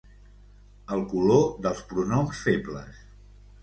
El color dels pronoms febles.